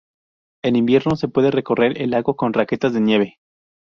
En invierno se puede recorrer el lago con raquetas de nieve.